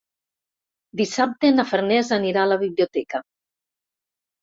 Dissabte na Farners anirà a la biblioteca.